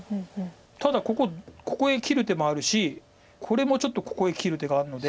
ただここへ切る手もあるしこれもちょっとここへ切る手があるので。